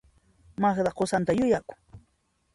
Magda qusanta yuyakun.